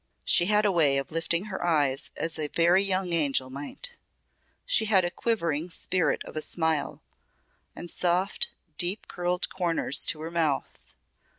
"She had a way of lifting her eyes as a very young angel might she had a quivering spirit of a smile and soft, deep curled corners to her mouth.